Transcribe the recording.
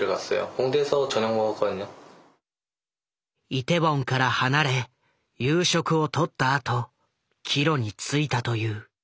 イテウォンから離れ夕食をとったあと帰路についたという。